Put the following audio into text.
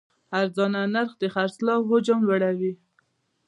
ارزانه نرخ د خرڅلاو حجم لوړوي.